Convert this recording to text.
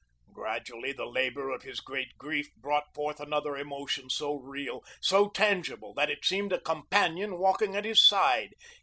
Gradually the labor of his great grief brought forth another emotion so real, so tangible, that it seemed a companion walking at his side.